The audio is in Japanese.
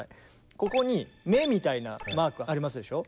ここに目みたいなマークありますでしょう。